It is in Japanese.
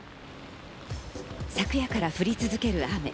昨夜から降り続ける雨。